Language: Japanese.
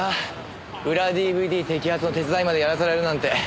裏ＤＶＤ摘発の手伝いまでやらされるなんて。